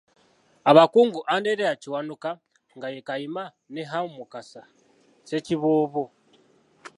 Abakungu Anderea Kiwanuka, nga ye Kayima, ne Ham Mukasa, Ssekiboobo.